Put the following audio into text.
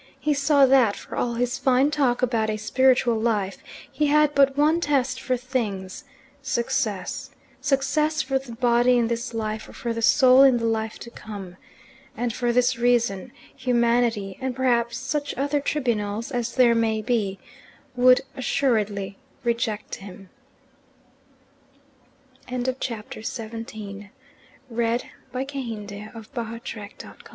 He saw that for all his fine talk about a spiritual life he had but one test for things success: success for the body in this life or for the soul in the life to come. And for this reason Humanity, and perhaps such other tribunals as there may be, would assuredly reject him. XVIII Meanwhile he